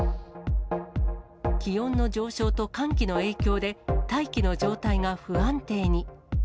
気温の上昇と寒気の影響で、大気の状態が不安定に。